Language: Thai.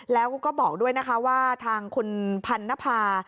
แล้วก็บอกด้วยนะคะว่าทางคุณพันนภา